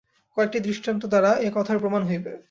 কয়েকটি দৃষ্টান্ত দ্বারা এ কথার প্রমাণ হইবে।